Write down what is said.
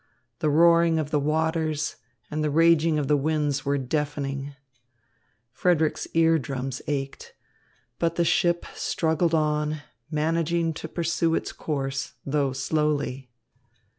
The roaring of the waters and the raging of the winds were deafening. Frederick's ear drums ached. But the ship struggled on, managing to pursue its course, though slowly.